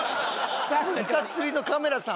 イカ釣りのカメラさん